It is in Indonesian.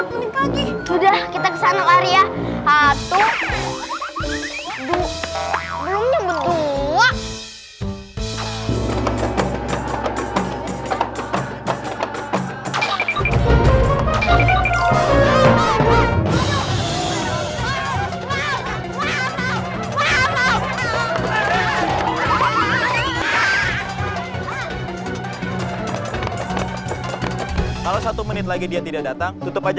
pak ini warungnya buka jam berapa ya